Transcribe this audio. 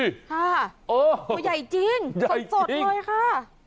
ตัวใหญ่จริงสดเลยค่ะ